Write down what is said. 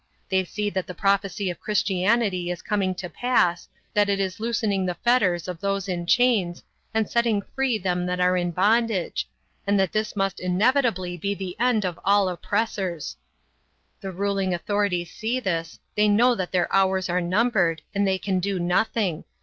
They see that the prophecy of Christianity is coming to pass, that it is loosening the fetters of those in chains, and setting free them that are in bondage, and that this must inevitably be the end of all oppressors. The ruling authorities see this, they know that their hours are numbered, and they can do nothing.